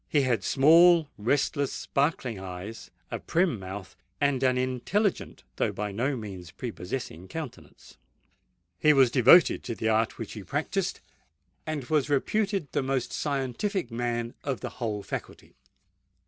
He had small, restless, sparkling eyes, a prim mouth, and an intelligent though by no means prepossessing countenance. He was devoted to the art which he practised, and was reputed the most scientific man of the whole faculty.